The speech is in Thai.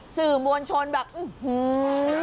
สื่อมวลชนแบบอื้อหือ